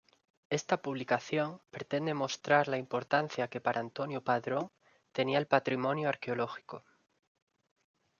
Esta publicación pretende mostrar la importancia que para Antonio Padrón tenía el patrimonio arqueológico.